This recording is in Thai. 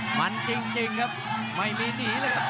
มันจริงครับไม่มีหนีเลยครับ